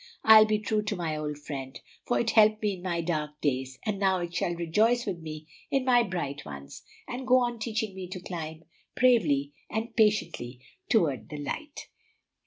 "I'll be true to my old friend; for it helped me in my dark days, and now it shall rejoice with me in my bright ones, and go on teaching me to climb bravely and patiently toward the light."